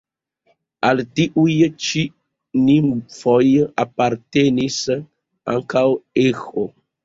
Al tiuj ĉi nimfoj apartenis ankaŭ Eĥo.